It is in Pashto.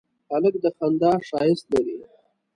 هلک د خندا ښایست لري.